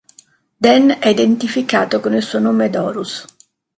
Den è identificato con il suo nome d'Horus.